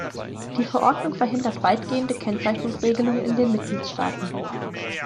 Die Verordnung verhindert weitgehende Kennzeichnungsregelungen in den Mitgliedsstaaten.